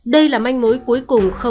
vậy là manh mối đã được mở ra